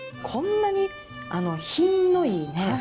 こんなに品のいいね。